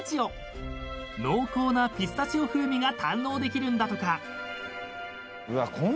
［濃厚なピスタチオ風味が堪能できるんだとか］